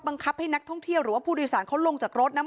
ให้นักท่องเที่ยวหรือว่าผู้โดยสารเขาลงจากรถนะ